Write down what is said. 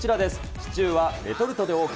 シチューはレトルトでＯＫ。